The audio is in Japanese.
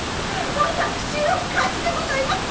私の勝ちでございます！